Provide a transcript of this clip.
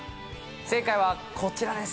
正解はこちらです。